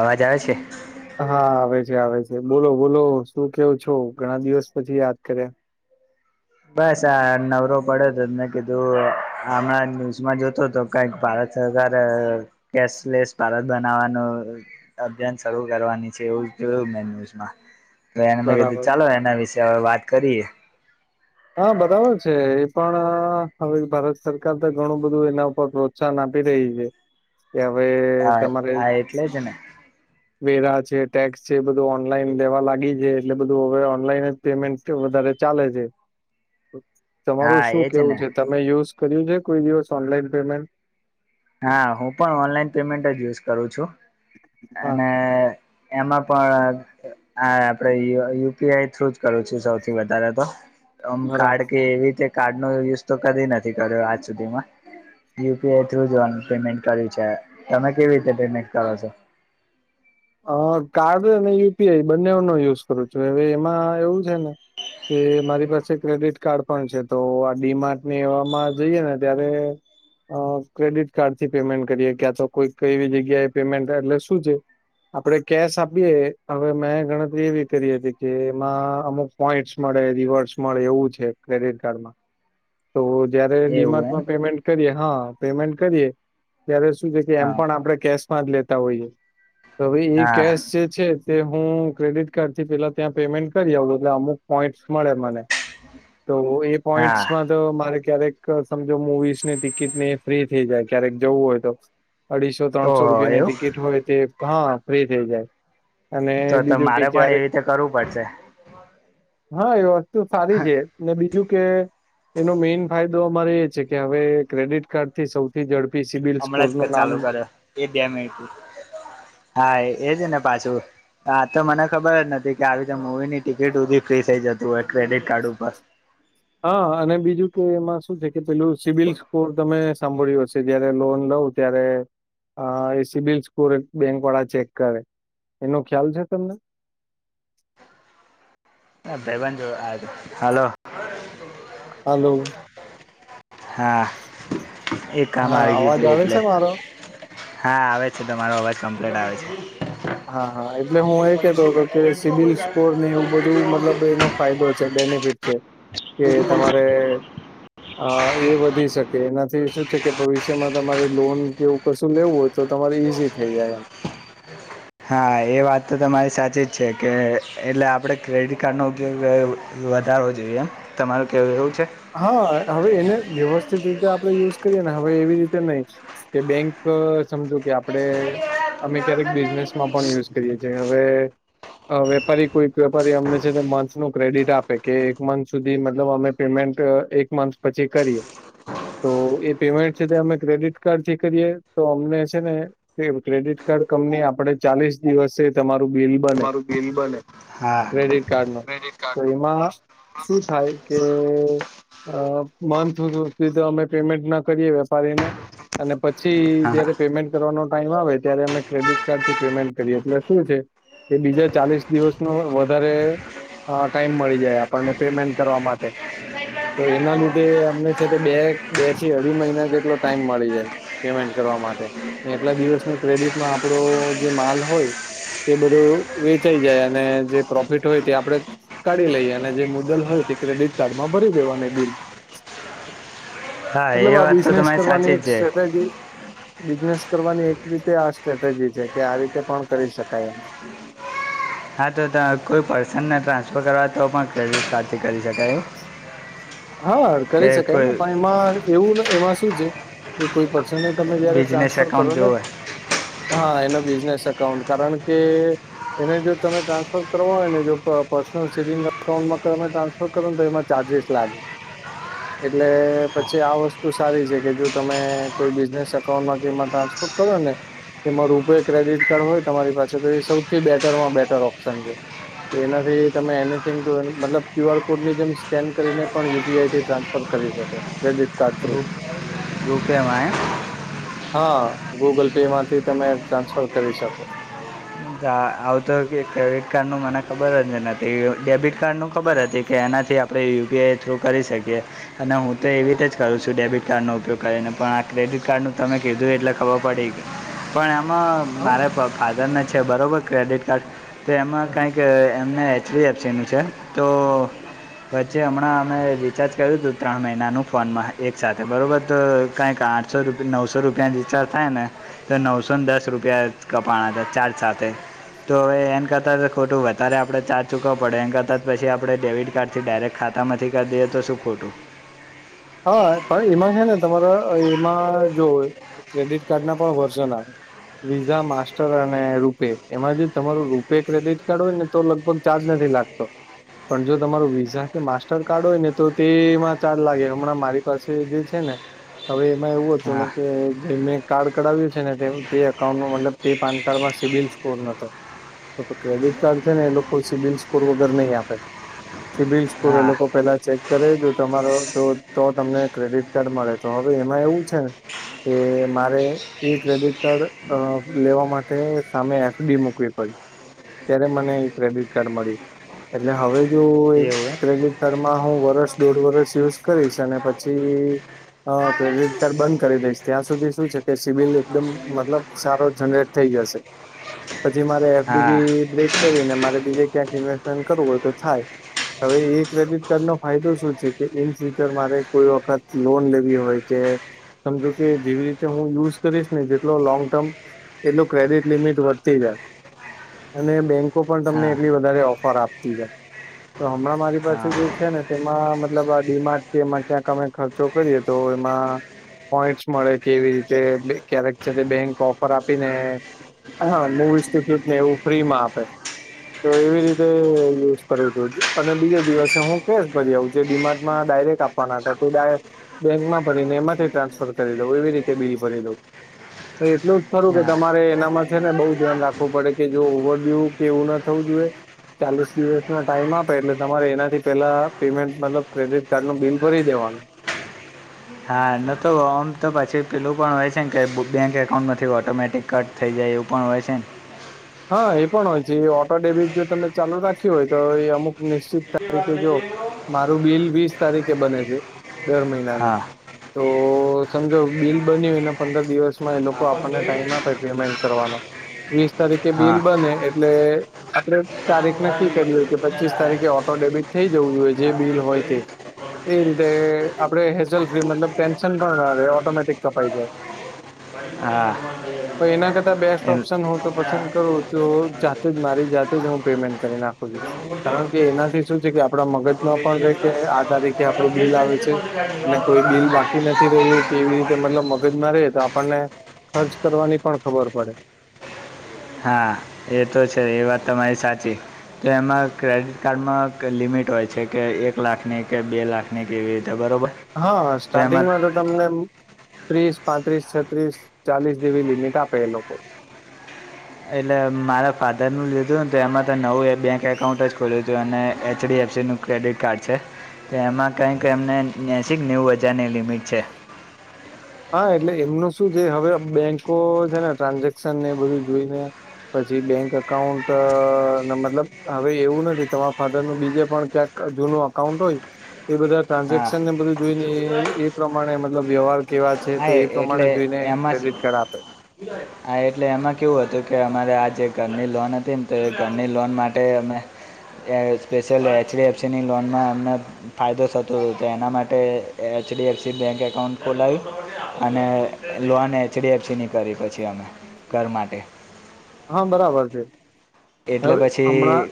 અવાજ આવે છે? હા આવે છે આવે છે બોલો બોલો શું કેવું છો ઘણા દિવસ પછી યાદ કર્યા? બસ આ નવરો પડ્યો હતોને કીધું હમણાં ન્યૂઝમાં જોતો હતો. કંઈક ભારત સરકાર કેશલેસ ભારત બનાવવાનું. અભિયાન શરૂ કરવાની છે એવું જોયું મે ન્યુઝમાં. એને મેં કીધું બરાબર ચાલો એના વિશે હવે વાત કરી. હા બરાબર છે એ પણ હવે ભારત સરકાર તો ઘણું બધું એના ઉપર પ્રોત્સાહન આપી રહી છે. હ [inaudible] કે હવે તમારે ને વેરા છે ટેક્સ છે એ બધું ઓનલાઈન દેવા લાગી છે એટલે બધું હવે ઓનલાઈન જ પેમેન્ટ વધારે ચાલે છે. તમારું હા શું એજ કેવું ને છે તમે યુઝ કર્યું છે કોઈ દિવસ ઓનલાઈન પેમેન્ટ? હા હું પણ ઓનલાઈન પેમેન્ટ જ યુઝ કરું છું, હા અને એમાં પણ હા આપડેય યુ પી આઈ થ્રુ જ કરું છું સૌથી વધારે તો. આમ કાર્ડ બરાબર કે એવી રીતે કાર્ડ ન યુઝ તો કદી નથી કર્યો આજ સુધીમાં, યુ પી આ થ્રુ જોવાનું પેમેન્ટ કર્યું છે, તમે કેવી રીતે પેમેન્ટ કરો છો? હ કાર્ડ અને યુપીઆઈ બંને નો યુઝ કરું છું હવે એમાં એવું છે ને કે મારી પાસે ક્રેડિટ કાર્ડ પણ છે તો આ ડી માર્ટ ની એવામાં જોઈએ ને ત્યારે અ ક્રેડિટ કાર્ડ થી પેમેન્ટ કરીએ ક્યાં તો કોઈ કઈવી જગ્યાએ એ પેમેન્ટ એટલે શું છે. આપડે કેશ આપીએ હવે મેં ગણતરી એવી કરી હતી કે એમાં અમુક પોઈન્ટસ મળે રિવર્સ મળે એવું છે ક્રેડિટ કાર્ડમાં. તો જયારે એવું એમ ડીમાટમાં પેમેન્ટ કરીએ હા પેમેન્ટ કરીએ. ત્યારે શું છે કે એમ હા પણ આપણે કેશમાં જ લેતા હોઈએ તો એ હા કેશ જે છે તે હું ક્રેડિટ કાર્ડ થી પેલા ત્યાં પેમેન્ટ કરી આવું એટલે અમુક પોઈન્ટ મળે મને તો એ હા પોઈન્ટમાં તો મારે ક્યારેક સમજો મુવીઝ ને ટિકિટ ને ફ્રી થઈ જાય ક્યારેક જવું હોય તો અઢીસો ત્રણસો ઓહો રૂપિયાની એવું ટિકિટ હોય તે હા ફ્રી થઇ જાય અને તો તો બીજું કે મારે પણ એવી ક્યારેક રીતે કરવું પડશે હા એ વસ્તુ સારી છે બીજું કે એનો મેન ફાયદો અમારે એ છે કે હવે ક્રેડિટ કાર્ડ થી સૌથી ઝડપી સબિલ સ્કોર હમણાં જ નું નામ ચાલુ કર્યો એ બે મ હા એજે ને પાછું હા તો મને ખબર જ નથી કે આવી રીતે મૂવી ની ટિકિટ શુધી ફ્રી થઇ જતું હોય ક્રેડિટ કાર્ડ ઉપર હા અને બીજું કે એમાં શું છે કે પેલું સિબી લ સ્કોર તમે સાંભળ્યું હશે જયારે લોન લઉ ત્યાંરે એ સીબિલ સ્કોર બેંક વાળા ચેક કરે એનો ખ્યાલ છે તમને [unintelligible] જો હલો હલો હા એ કામ હા આવી ગયુ અવાજ હતું આવે એટલે છે મારો? હા આવે છે તમારો અવાજ કમ્પ્લીટ આવે છે. હા હા એટલે હું એ કેતો હતો કે સી બિલ સ્કોર ને એવું બધું છે. મતલબ એનો ફાયદો છે બેનિફિટ છે કે તમારે હ એ વધી શકે એનાથી શું છે કે ભવિષ્યમાં તમારે લોન કે એવું કશું લેવું હોય. તો તમારે ઈઝી થઈ જાય એમ [inaudible] હા એ વાત તો તમારી સાચી જ છે કે એટલે આપણે ક્રેડિટ કાર્ડનો ઉપયોગ વધારવો જોઈએ એમ તમારું કેવું એવું છે. હા હવે એને વ્યવસ્થિત રીતે આપણે યુઝ કરીએ ને હવે એવી રીતે નહી કે બેંક સમજો કે આપડે અમે ક્યારેક બિઝનેસ માં પણ યુઝ કરીએ જે હવે હવે વેપારી કોઈક વેપારી અમને છે મંથનું ક્રેડિટ આપે કે એક મંથ સુધી મતલબ અમે પેમેન્ટ એક મથ પછી કરીએ તો એ પેમેન્ટ છે તે અમે ક્રેડિટ કાર્ડ થી કરીએ તો અમને છે ને ક્રેડિટ કાર્ડ કમની આપડે ચાલીસ દિવસે તમારું બિલ બને તમારું બિલ બને હા. ક્રેડિટ કાર્ડ નો ક્રેડિટ તો કાર્ડનું એમાં શું થાય કે અ મંથ હુ સુધી તો અમે પેમેન્ટ ના કરીએ વેપારીને અને પછી હા જયારે પેમેન્ટ કરવાનો ટાઈમ આવે ત્યારે અમે ક્રેડિટ કાર્ડ થી પેમેન્ટ કરીએ એટલે શું છે. એ બીજા ચાલીસ દિવસ નો હોય વધારે હા ટાઈમ મળી જાય આપણને પેમેન્ટ કરવા માટે તો એના લીધે અમને છે તે બે બે થી અઢી મહિના જેટલો ટાઈમ મળી જાય. પેમેન્ટ કરવા માટે એટલા દિવસની ક્રેડિટમાં આપડો જે માલ હોય. તે બધું વેચાઈ જાય અને જે પ્રોફિટ હોય તે આપડે કાઢી લઈએ અને જે મુદલ હોય તે ક્રેડિટ કાર્ડમાં ભરી દેવાની બિલ હા મતલબ એ આ વાત તો બિઝનેસ તમારી સાચી કરવાની જ એક છે. સ્ટ્રેટેજી બિઝનેસ કરવાની એક રીતે આ સ્ટ્રેટેજી છે કે આ રીતે પણ કરી શકાય એમ. હા તો કોઈ પર્સનને ટ્રાન્સફર કરવા તો પણ ક્રેડિટ કાર્ડ થી કરી શકાય એ હા કરી શકાય ને પણ એમાં એવું એમાં શું છે. કે કોઈ પર્સનને તમે જયારે બિઝનેસ ટ્રાન્સફર કરો એકાઉન્ટ ને. જોવે હા એનો બિઝનેસ એકાઉન્ટ કારણ કે એને જો તમે ટ્રાન્સફર કરવા હોય ને જો પર્સનલ સેવિંગ અકાઉન્ટમાં તમે ટ્રાન્સફર કરો તો એમાં ચાર્જિસ લાગે એટલે પછી આ વસ્તુ સારી છે કે જો તમે કોઈ બિઝનેસ અકાઉન્ટમાં કે એમાં ટ્રાન્સફર કરો ને તેમાં રૂપે ક્રેડિટ કાર્ડ હોય તમારી પાસે તો એ સૌથી બેટરમાં બેટર ઓપ્શન છે. તો એનાથી તમે એનીથિંગ મતલબ ક્યુ આર કોડ ની જેમ સ્કેન કરીને પણ યુપીઆઈથી ટ્રાન્સફર કરી શકો ક્રેડિટ કાર્ડ થ્રુ યુકે એમ હા ગૂગલ પે માંથી તમે ટ્રાન્સફર કરી શકો. એમ આવતો ક્રેડિટ કાર્ડ નું મને ખબર જ નથી ડેબિટ કાર્ડ નું ખબર હતી કે એનાથી આપણે યુપીઆઈ થ્રુ કરી શકીએ. અને હું તો એવી રીતે જ કરું છું ડેબિટ કાર્ડનો ઉપયોગ કરીને પણ આ ક્રેડિટ કાર્ડનું તમે કીધું એટલે ખબર પડી. પણ એમાં મારે હા ફાધરને છે બરોબર ક્રેડિટ કાર્ડ તો એમાં કઈક એમને એચડિએફશી આપું છે તો પછી હમણાં અમે રિચાર્જ કર્યું તું ત્રણ મહિનાનું ફોનમાં એક સાથે બરોબર તો કઈક આ સો રૂપિયા નવસો રૂપિયા રિચાર્જ થાય ને તો નવસો ને દસ રૂપિયા કપાના હતા ચાર્જ સાથે તો હવે એમ કરતાં ખોટું વધારે આપણે ચાર્જ ચૂકવવા પડે એમ કરતાં જ પછી આપણે ડેબિટ કાર્ડથી ડાયરેક્ટ ખાતામાંથી કરી દઈએ તો શું ખોટું હા પણ એમાં છે ને તમારા એમાં જો ક્રેડિટ કાર્ડ ના પણ વર્ઝન આવે વિઝા માસ્ટર અને રૂપે એમાં જે તમારું રૂપે ક્રેડિટ કાર્ડ હોય ને તો લગભગ ચાર્જ નથી લાગતો પણ જો તમારો વિઝા કે માસ્ટરકાર્ડ હોય ને તો તેમાં ચાર્જ લાગે હમણાં મારી પાસે જે છે ને હવે એમાં એવું હતું ને હા કે જે મેને કાર્ડ કરાવ્યું છે ને તે અકાઉન્ટમાં તે પાન કાર્ડમાં સિવિલ સ્કોર નતો તો ક્રેડિટ કાર્ડ છે ને એ લોકો સિબિલ સ્કોર વગર નહીં આપે સ બિિલ્સ પૂરે હા લોકો પેલા ચેક કરે જો તમારો જો તો તમને ક્રેડિટ કાર્ડ મળે તો હવે એમાં એવું છેને કે મારે એ ક્રેડિટ કાર્ડ અ લેવા માટે સામે એફડી મુૂકવી પડી ત્યારે મને એ ક્રેડિટ કાર્ડ મળ્યું એટલે હવે જો એક એવું એમ ક્રેડિટ કાર્ડમાં હું વરસ દોઢ વરસ યુઝ કરીશ અને પછી હ ક્રેડિટ કાર્ડ બંધ કરી દઈશ ત્યાં સુધી શું છે કે સિબિલ એકદમ મતલબ સારો જનરેટ થઈ જશે પછી મારે હા એફડીબી બ્રેક કરીને મારે બીજે ક્યાંક ઇન્વેસ્ટમેન્ટ કરવું હોય તો થાય હવે એ ક્રેડિટ કાર્ડ નો ફાયદો શું છે કે ઇન મારે કોઈ વખત લોન લેવી હોય છે સમજો કે જેવી રીતે હું યુઝ કરીશ ને જેટલો લોંગ ટર્મ એટલું ક્રેડિટ લિમિટ વધતી જાય અને બેન્કો પણ તમને હા એટલી વધારે ઓફર આપતી જ તો હમણાં મારી પાસે હા જે છે ને તેમાં મતલબ આ ડીમા કે એમાં ક્યાંક અમે ખર્ચો કરીએ તો એમાં પોઈન્ટસ મળે કેવી રીતે ક્યારેક છે તે બેંક ઓફર આપી ને હા નવી સ્થિકિ જ નહી એવું ફ્રી માં આપે તો એવી રીતે યુઝ કરું અને બીજા દિવસે હું કેશ ભરી આવું છ ડિમાર્કમાં ડાયરેક્ટ વાના હતા ત ડાયક બેંકમાં ભરીને એમાંથી ટ્રાન્સફર કરી દઉ એવી રીતે બિલ ભરી દઉં તો એટલું જ ખરું કે હા તમારે એનામાં છે ને બઉુ ધ્યાન રાખવું પડે કે જો ઓવરડ્યુ કે એવું ના થવું જોઈએ ચાલીસ દિવસ ના ટાઈમ આપે એટલે તમારે એના થી પેલા પેમેન્ટ મતલબ ક્રેડિટ કાર્ડ ું બિલ ભરી દેવાનું હા નતો આમ તો પછી પેલું પણ હોય છે ને કે બેંક એકાઉન્ટ નથી ઓટોમેટિક કટ થઈ જાય એવું પણ હોય છે ને હા એ પણ હોય છે ઓટો ડેબિટ જો તમે ચાલુ રાખ્યું હોય તો એ અમુક નિશ્ચિત કેટલી વાર તારીખે થઈ જોઓ. ગઈ એવો? મારું બિલ વીસ તારીખે બને છે દર મહિનાની હા તો સમજો બિલ બન્યું એને પંદર દિવસમાં એ લોકો આપણ આપણને ટાઈમ જોઈ? આપે પેમેન્ટ કરવાનો વીસ તારીખે હા બિલ બને એટલે આપણે એનો તારીખ નક્કી મોબાઈલ લઈ કરી હોય લીધો. કે તો ત્યારે પચીસ તારીખે આયો જ ઓટો નહીં. ડેબિટ થઈ જવું જોઈએ જે તો બિલ આપણ હોય તે જોઈ, એ પહોંચીને રીતે બેસી આપડે ગયો. હેઝલ ફ્રી મતલબ ટેન્શન પણ ના રહે ઓટોમેટિક કપાઈ જાય. બ‌. તો એના કરતા બેસ્ટ એમ ઓપ્શન હું તો પછી. પસંદ ત્યાં. કરો તો તો જાતે જ મારી જાતે જ હું પેમેન્ટ કરી નાખું છું. તમે બોલજો. કારણ કે એનાથી શું છે કે આપડા આપણ મગજમાં કહી પણ દેજો રે કે પેલા. આ તારીખે પહેલા આપણું ફેસ બિલ કરી આવે દેજો, છે. પછી કાઢી અને કોઈ બિલ વાત. બાકી નથી રહ્યું કે એવી રીતે મતલબ મગજમાં રહે તો આપણને ખર્ચ કરવાની પણ ખબર પડે. હા. એ તો છે એ વાત તમારી સાચી તો એમાં ક્રેડિટ કાર્ડમાં લિમિટ હોય છે કે એક લાખની કે બે લાખની કેવી રીતે બરોબર હા સ્ટાર્ટિંગ માં તો તમને ત્રીસ, પાંત્રીસ, છત્રીસ, ચાલીસ જેવી લિમિટ આપે એ લોકો એટલે મારા ફાધરનું લીધુંને તો એમાં તો નવું બેંક એકાઉન્ટ જ ખોલ્યું હતું અને એચડીએફસી નું ક્રેડિટ કાર્ડ છે તો એમાં કંઈક એમને એહ્શિક નેઉ બજારની લિમિટ છે. હા એટલે એમનું શું છે હવે બેંકો છે ને ટ્રાન્ઝેક્શનને એ બધું જોઈને. પછી બેંક અકાઉન્ટ મતલબ હવે એવું નથી તમારા ફાધર નું બીજે પણ ક્યાંક. જૂનું અકાઉન્ટ હોય. એ બધા હા ટ્રાન્ઝેક્શન ને બધું જોઈ ને એ પ્રમાણે મતલબ વ્યવહાર કેવા. છે હા તો એ એટલે પ્રમાણે જોઈને એમાં. ક્રેડિટ કાર્ડ આપે. હા એટલે એમાં કેવું હતું કે અમારે આ જે ઘરની લોન હતી ને તો એ ઘરની લોન માટે અમે. સ્પેશિયલ એચડી એફસીની લોનમાં એમને. ફાયદો થતો હતો તો એના માટે એચડીએફસી બેંક એકાઉન્ટ ખોલાવ્યું. અને લોન એચડીએફસીની કરી પછી અમે ઘર માટે. હા બરાબર તે. એટલે પછી.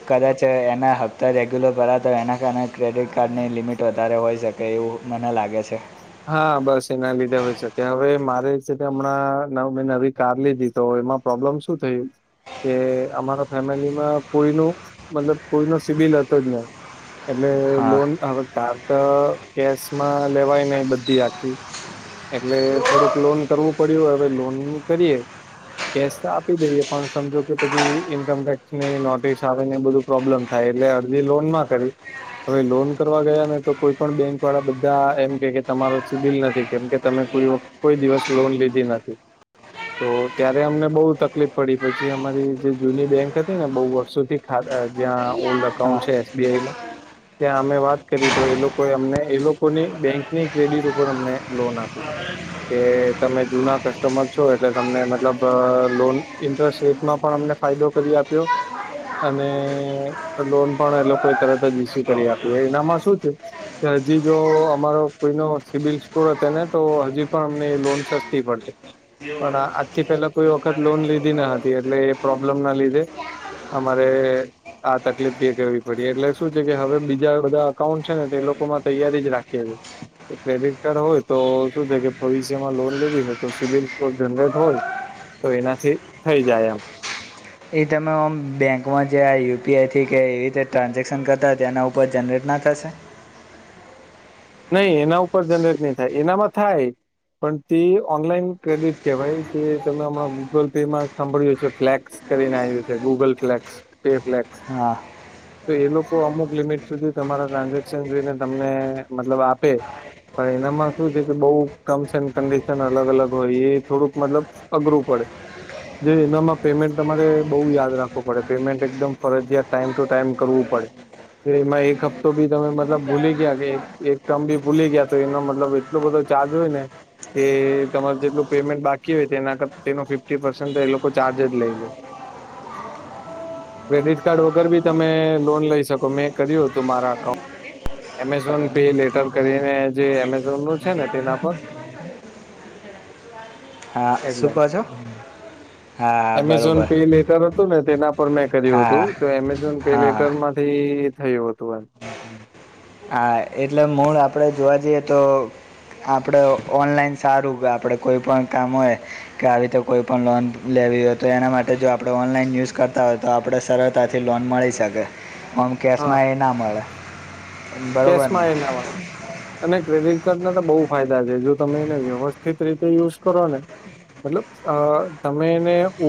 કદાચ એના હપ્તા રેગ્યુલર ભરા તો એના કારણે ક્રેડિટ કાર્ડની લિમિટ વધારે હોઈ શકે. કે એવું મને લાગે છે. હા બસ એના લીધે હોય શકે હવે મારે છે હમણાં મેં નવી [unintelligible] કાર લીધી. તો એમાં પ્રોબ્લેમ શું થયું. કે અમારા ફેમિલીમાં કોઈ ન મતલબ કોઈ ન સિબિલ હતો જ નહી. એટલે હા લોન હવે કાર તો કેશમાં લેવાય ને બધી આખી. એટલે થોડુંક લોન કરવું પડ્યું હવે લોન નુ કરીએ. ટેક્સ તો આપી દઈએ પણ સમજો કે પછી ઈન્કમ ટેક્સની નોટિસ આવેને બધું. પ્રોબ્લેમ થાય એટલે અરજી લોન માં કરી. હવે લોન કરવા ગયા ને તો કોઈ પણ બેંક વાળા બધા એમ કે ક. તમારો સિબિલ નથી કેમ કે તમે કોઈ કોઈ દિવસ લોન લીધી નથી. તો ત્યારે અમને બઉુ તકલીફ પડી પછી અમારી જે જૂની બેંક હતી ને બહુ વર્ષોથી. જ્યાં ઓલ્ડ હા અકાઉન્ટ છે એસબીઆઈ માં. ત્યાં અમે વાત કરી તો એ લોકો અમને એ લોકો ની બેંક. ની ક્રેડિટ ઉપર અમને લોન આપી. કે તમે જૂના કસ્ટમર છો, એટલે તમને મતલબ લોન ઇન્ટરસ્ટ રેટમાં પણ અમને ફાયદો કરી આપ્યો અને લોન પણ એ લોકોએ તરત જ ઈસી્યુ કરી આપી હો એનામાં શું છે. ત હજી જો અમારો. કોઈનો સબિલ પૂરો થ ને તો હજી પણ અમને લોન સસ્તી પડતે. પણ આજથી પેલા કોઈ વખત લોન લીધી ના હતી એટલે એ પ્રોબ્લેમ ના લીધે. અમારે. આ તકલીફ કરવી તે કેવી પડી, એટલે શું છે કે હવે બીજા બધા અકાઉન્ટ છે ને તે લોકોમાં તૈયારી જ રાખીએ છે. કે ક્રેડિટ કાર્ડ હોય, તો શું છે કે ભવિષ્યમાં લોન લેવી હોય, તો સિવિલ સ્કોર જનરેટ હોય તો એનાથી થઈ જાય એમ. ઈ તમે ઓમ બેંકમાં જે આ યુ પી આઈથી, કે એવી રીતે ટ્રાન્ઝેક્શન કરતા હોય, તો એના ઉપર જનરેટ ના થશે? નહીં એના ઉપર જનરેટ નહીં થાય. એનામાં થાય પણ તે ઓનલાઈન ક્રેડિટ કહેવાય, જે તમે હમણાં ગૂગલ પે માં સાંભળ્યું છે ફ્લેક્સ સ કરીને એવી રીતે, ગૂગલ ફ્લેક્સ, પે ફ્લેક્સ. હા તો એ લોકો અમુક લિમિટ સુધી તમારા ટ્રાન્ઝેક્શન જોઈને તમને મતલબ આપે. પણ એનામાં શું છે કે બઉ ટર્મ્સ એન્ડ કન્ડિશન અલગ-અલગ હોય, એ થોડુંક મતલબ અઘરું પડે. જો એનામાં પેમેન્ટ તમારે બહુ યાદ રાખવું પડે, પેમેન્ટ એકદમ ફરજિયાત ટાઈમ ટુ ટાઈમ કરવું પડે, તો એમાં એક હફ્તો બી તમે મતલબ ભૂલી ગયા કે એક એક ટર્મ બી ભૂલી ગયા કે તો એનો મતલબ એટલો બધો ચાર્જ હોય ને એ તમાર જેટલું પેમેન્ટ બાકી હોય તેના કર તેનો ફિફ્ટી પરસન્ટ એ લોકો ચાર્જ જ લઈ લે. [inaudible] ક્રેડિટ કાર્ડ વગર બી તમે લોન લઈ શકો, મેં કર્યું હતું મારા અકાઉન્ટ એમેઝોન પે લેટર કરીને જે એમેઝોન નું છે ને તેના પર. હા. શું એટલે કહો છો? હા, બરોબર. તો મે તેના પર મેં કર્યું હતું, તો એમેઝોન પે હા હા લેટર માંથી થયું હતું એમ. હા, એટલે મૂળ આપડે જોવા જઈએ તો આપડે ઓનલાઈન સારું, કે આપડે કોઈ પણ કામ હોય કે આવી રીતે કોઈ પણ લોન લેવી હોય તો એના માટે જો આપણે ઓનલાઈન યુઝ કરતા હોય તો આપણે સરળતાથી લોન મળી શકે. ઓમ હા કેશમાં એ ના મળે. બરાબર ને કેશમાં એ ના મળે. અને ક્રેડિટ કાર્ડના તો બહુ ફાયદા છે. જો તમે એને વ્યવસ્થિત રીતે યુઝ કરો ને મતલબ અહ તમે એને ઉ